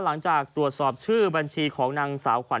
หลังจากตรวจสอบชื่อบัญชีของนางสาวขวัญ